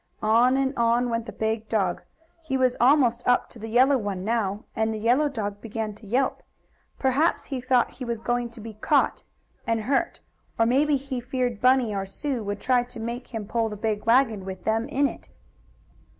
On and on went the big dog. He was almost up to the yellow one now, and the yellow dog began to yelp. Perhaps he thought he was going to be caught and hurt. Or maybe he feared Bunny or Sue would try to make him pull the big wagon, with them in it.